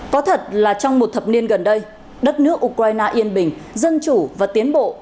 có thật là trong một thập niên gần đây đất nước ukraine yên bình dân chủ và tiến bộ